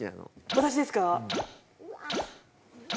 私ですか？